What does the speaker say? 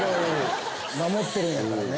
守ってるんやからね。